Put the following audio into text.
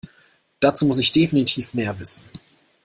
Dazu muss ich definitiv mehr wissen.